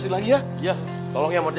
tuh dia om